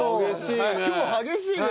今日激しいね。